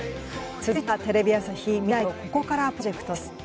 続いてはテレビ朝日未来をここからプロジェクト。